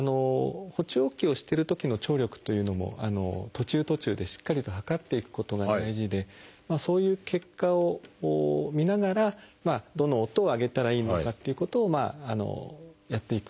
補聴器をしてるときの聴力というのも途中途中でしっかりと測っていくことが大事でそういう結果を見ながらどの音を上げたらいいのかっていうことをやっていく。